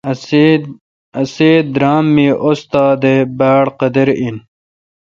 اسی درام می استادہ باڑقدر این